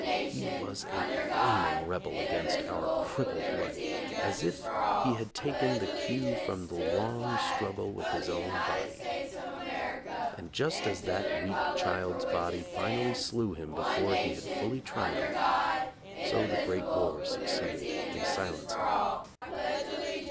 He was a flaming rebel against our crippled life, as if he had taken the cue from the long struggle with his own body. And just as that weak child's body finally slew him before he had fully triumphed, so the great war succeeded in silencing him.